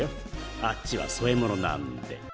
あっちは添え物なんで。